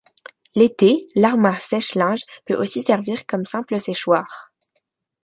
L'été, l'armoire sèche-linge peut aussi servir comme simple séchoir.